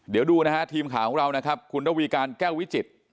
เดี๋ยวดูนะฮะทีมข่าวของเรานะครับคุณระวีการแก้ววิจิตร